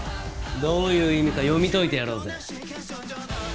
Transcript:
どういう意味か読み解いてやろうぜ。